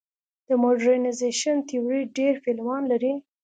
د موډرنیزېشن تیوري ډېر پلویان لري.